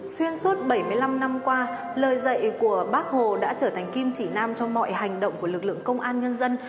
xuyên suốt bảy mươi năm năm qua lời dạy của bác hồ đã trở thành kim chỉ nam cho mọi hành động của lực lượng công an nhân dân